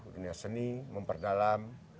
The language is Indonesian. dunia seni memperdalam